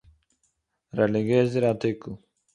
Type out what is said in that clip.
רעליגיעזער ארטיקל